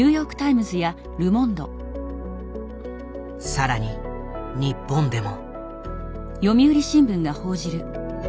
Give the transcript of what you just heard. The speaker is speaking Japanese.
更に日本でも。